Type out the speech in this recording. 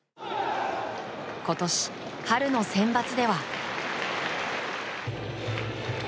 今年、春のセンバツでは。